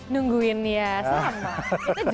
nungguin ya selama